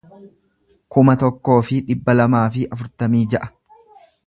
kuma tokkoo fi dhibba lamaa fi afurtamii ja'a